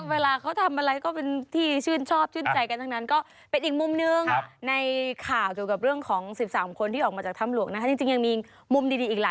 เวลาเค้าทำอะไรก็เป็นที่ชื่นชอบ